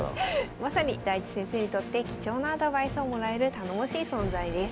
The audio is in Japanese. まさに大地先生にとって貴重なアドバイスをもらえる頼もしい存在です。